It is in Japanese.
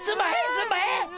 すんまへん！